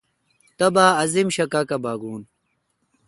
تبہ عظیم شا کاکا باگوُن۔